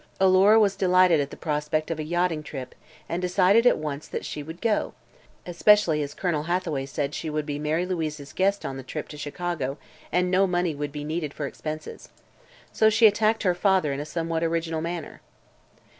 Alora was delighted at the prospect of a yachting trip and decided at once that she would go, especially as Colonel Hathaway said she would be Mary Louise's guest on the trip to Chicago and no money would be needed for expenses. So she attacked her father in a somewhat original manner.